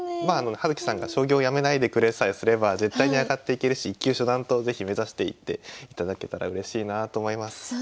まあ葉月さんが将棋をやめないでくれさえすれば絶対に上がっていけるし１級初段と是非目指していっていただけたらうれしいなと思います。